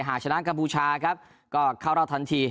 หาชนะกคัมพูชาก็เข้ารอบทันที